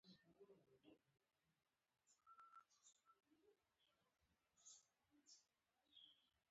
مصنوعي ځیرکتیا د تعلیمي بدلون وسیله ده.